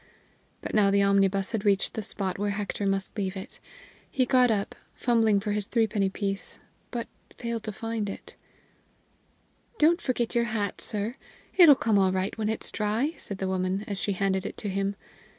But now the omnibus had reached the spot where Hector must leave it. He got up, fumbling for his threepenny piece, but failed to find it. "Don't forget your hat, sir; it'll come all right when it's dry," said the woman, as she handed it to him.